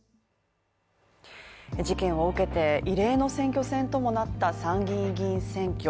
事件を受けて異例の選挙戦ともなった参議院選挙。